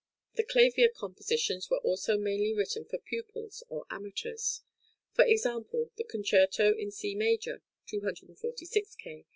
The clavier compositions were also mainly written for pupils or amateurs; for example, the Concerto in C major (246 K.)